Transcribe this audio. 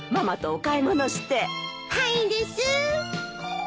はいですー。